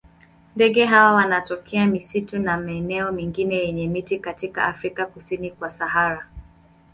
Ndege hawa wanatokea misitu na maeneo mengine yenye miti katika Afrika kusini kwa Sahara.